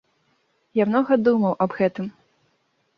Я многа думаў аб гэтым.